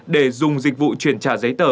để dùng dịch vụ chuyển trả giấy tờ